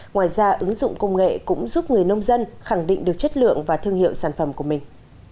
ngoài ra ứng dụng công nghệ cũng giúp người nông dân khẳng định được chất lượng và thương hiệu sản phẩm của mình